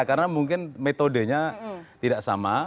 karena mungkin metodenya tidak sama